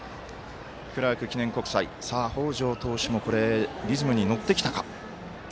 クラーク記念国際、北條投手もリズムに乗ってきたか。